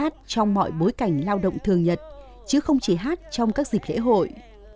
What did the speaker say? hát trong mọi bối cảnh lao động thường nhật chứ không chỉ hát trong các dịp lễ hội